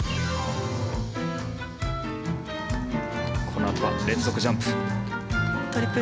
このあとは連続ジャンプ。